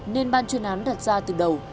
nên ban chuyên án đặt ra từ đầu